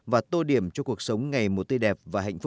và tô điểm cho cuộc sống ngày một tươi đẹp và hạnh phúc